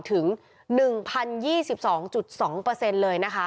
ถึง๑๐๒๒เลยนะคะ